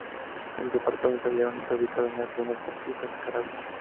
El departamento León está ubicado en la región del Pacífico de Nicaragua.